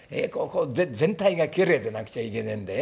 全体がきれいでなくちゃいけねえんだよ。